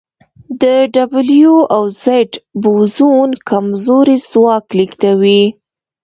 د ډبلیو او زیډ بوزون کمزوری ځواک لېږدوي.